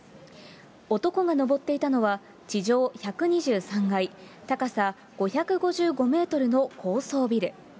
男が登っていたのは、地上１２３階、高さ５５５メートルの高層ビル。